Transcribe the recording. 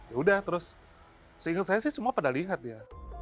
ya udah terus seingat saya sih semua pada lihat ya